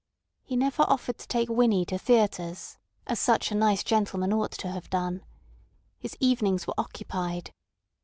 He never offered to take Winnie to theatres, as such a nice gentleman ought to have done. His evenings were occupied.